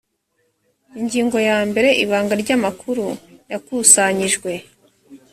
ingingo ya mbere ibanga ry amakuru yakusanyijwe